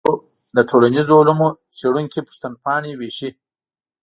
د ټولنیزو علومو څېړونکي پوښتنپاڼې ویشي.